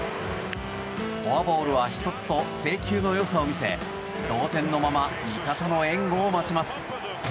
フォアボールは１つと制球の良さを見せ同点のまま味方の援護を待ちます。